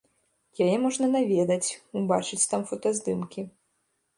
Яе можна наведаць, убачыць там фотаздымкі.